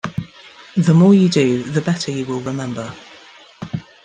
The more you do, the better you will remember.